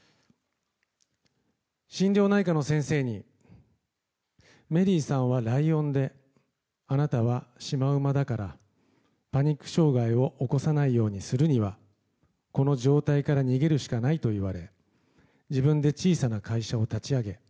心療内科の先生にメリーさんはライオンであなたはシマウマだからパニック障害を起こさないようにするにはこの状態から逃げるしかないといわれ自分で小さな会社を立ち上げ